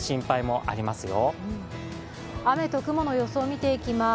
雨と雲の予想を見ていきます。